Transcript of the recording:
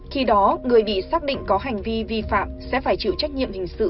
khi đó người bị xác định có hành vi vi phạm sẽ phải chịu trách nhiệm hình sự